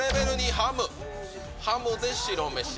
ハムで白飯。